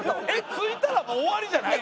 ついたらもう終わりじゃないの？